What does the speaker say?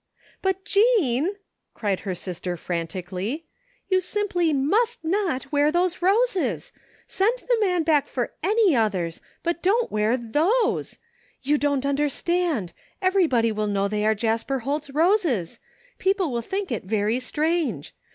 " But, Jean," cried her sister frantically, " yk>u simply must not wear those roses ! Send the man bade 215 THE FINDmG OF JASPER HOLT for any others, but don't wear those. You don't under stand ! Everybody will know those are Jasper Holt's roses. People will think it very strange.